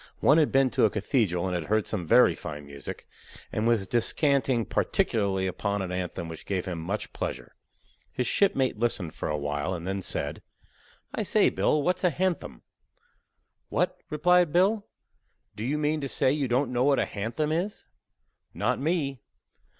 One had been to a cathedral and had heard some very fine music, and was descanting particularly upon an anthem which gave him much pleasure. His shipmate listened for awhile, and then said: "I say, Bill, what's a hanthem?" "What," replied Bill, "do you mean to say you don't know what a hanthem is?" "Not me."